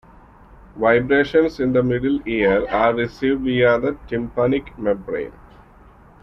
Vibrations in the middle ear are received via the tympanic membrane.